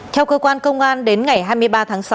theo cơ quan công an đến ngày hai mươi ba tháng sáu